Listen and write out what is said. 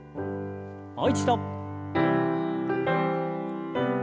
もう一度。